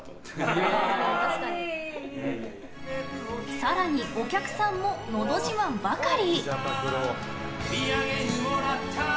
更にお客さんものど自慢ばかり。